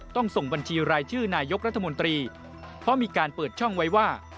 ส่งบัญชีรายชื่อนายกรัฐมนตรีเพราะมีการเปิดช่องไว้ว่า